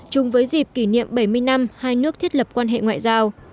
chung với dịp kỷ niệm bảy mươi năm hai nước thiết lập quan hệ ngoại giao